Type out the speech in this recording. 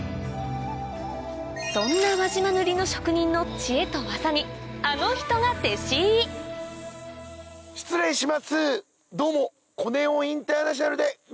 そんな輪島塗の職人の知恵と技にあの人が弟子入りどうも！